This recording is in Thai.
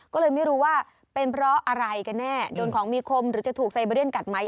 ก็เลยไม่รู้ว่าเป็นเพราะอะไรกันแน่โดนของมีคมหรือจะถูกไซเบรียนกัดไหม